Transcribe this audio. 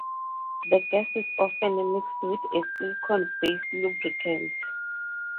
The gas is often mixed with a silicon-based lubricant.